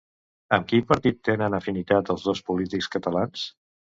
Amb quin partit tenen afinitat els dos polítics catalans?